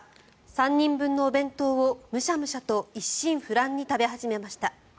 ３人分のお弁当をむしゃむしゃと一心不乱に食べ始めました。